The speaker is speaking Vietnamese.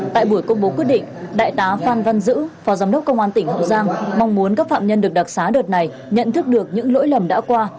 tại buổi công bố quyết định đại tá phan văn giữ phó giám đốc công an tỉnh hậu giang mong muốn các phạm nhân được đặc xá đợt này nhận thức được những lỗi lầm đã qua